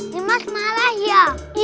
nyimas malah ya